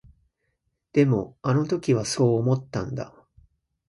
でも、あの時はそう思ったんだ。